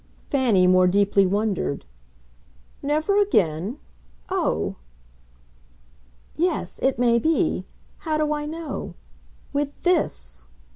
Fanny more deeply wondered, "Never again? Oh !" "Yes, it may be. How do I know? With THIS!"